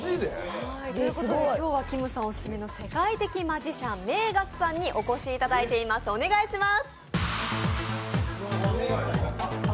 今日は、きむさんススメの世界的マジシャン、ＭＡＧＵＳさんにお越しいただいています、お願いします。